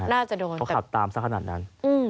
น่าจะโดนเขาขับตามสักขนาดนั้น